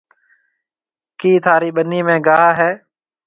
ڪِي ٿارِي ٻنِي ۾ گاها هيَ؟